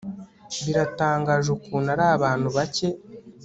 biratangaje ukuntu ari abantu bake